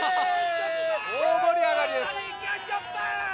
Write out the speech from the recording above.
大盛り上がりです。